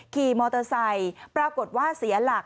ขี่มอเตอร์ไซค์ปรากฏว่าเสียหลัก